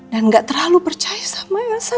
dan gak terlalu percaya sama elsa